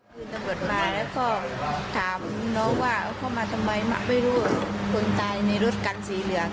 คือตำรวจมาแล้วก็ถามน้องว่าเอาเข้ามาทำไมไม่รู้คนตายในรถกันสีเหลือง